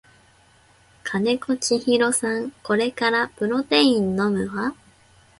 金子千尋さんこれからプロテイン飲むわ